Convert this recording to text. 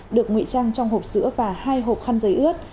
được nguy trang trong hộp sữa và hai hộp khăn giấy ướt